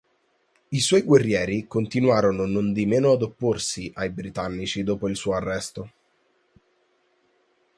I suoi guerrieri continuarono nondimeno ad opporsi ai britannici dopo il suo arresto.